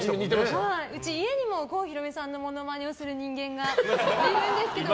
うち、家にも郷ひろみさんのモノマネをする人間がいるんですけども。